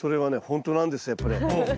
ほんとなんですやっぱり。